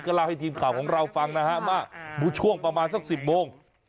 เล่าให้ทีมข่าวของเราฟังนะฮะเมื่อช่วงประมาณสัก๑๐โมง